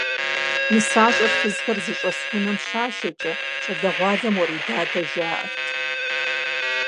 Нысащӏэр фызхэр зыщӏэс унэм щашэкӏэ, щӏалэгъуалэм уэредадэ жаӏэрт.